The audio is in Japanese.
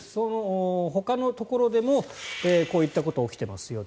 ほかのところでもこういったことが起きてますと。